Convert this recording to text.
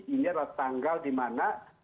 ini adalah tanggal dimana